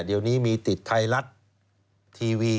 เดี๋ยวนี้มีติดไทยรัฐทีวี